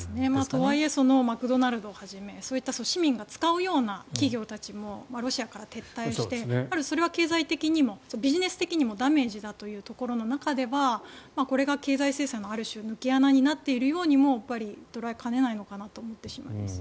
とはいえマクドナルドをはじめそういった市民が使うような企業たちもロシアから撤退してそれは経済的にもビジネス的にもダメージだというところの中ではこれが経済制裁のある種、抜け穴になっているようにも捉えかねないのかなと思ってしまいます。